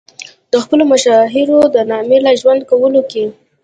د خپلو مشاهیرو د نامې را ژوندي کولو کې.